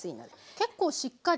結構しっかり。